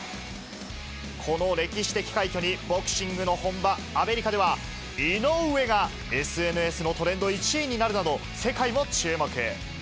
この歴史的快挙に、ボクシングの本場、アメリカでは、イノウエがＳＮＳのトレンド１位になるなど、世界も注目。